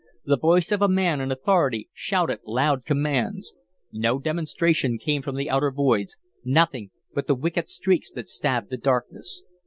The voice of a man in authority shouted loud commands. No demonstration came from the outer voids, nothing but the wicked streaks that stabbed the darkness.